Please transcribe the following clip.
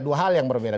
dua hal yang berbeda